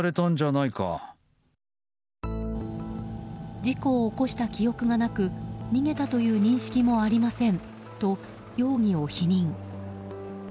事故を起こした記憶がなく逃げたという認識もありませんと容疑を否認。